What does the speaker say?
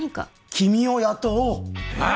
君を雇おうえっ！？